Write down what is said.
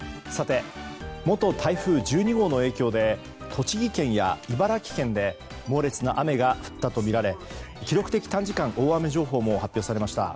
元台風１２号の影響で栃木県や茨城県で猛烈な雨が降ったとみられ記録的短時間大雨情報も発表されました。